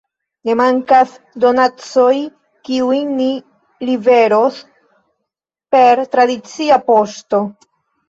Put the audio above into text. Ne mankas donacoj, kiujn ni liveros per tradicia poŝto.